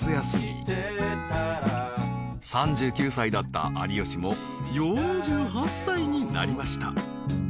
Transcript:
［３９歳だった有吉も４８歳になりました］